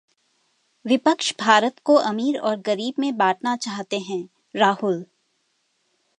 विपक्ष भारत को अमीर और गरीब में बांटना चाहता है: राहुल